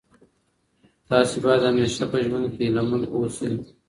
تاسي باید همېشه په ژوند کي هیله من اوسئ.